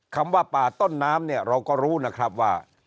คำว่าป่าต้นน้ำเนี่ยเราก็รู้นะครับว่า